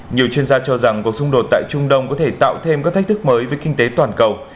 nhiều chuyên gia cho rằng cuộc xung đột tại trung đông có thể tạo thêm các thách thức mới với kinh tế toàn cầu